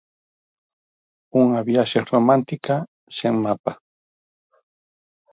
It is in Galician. Unha viaxe romántica sen mapa.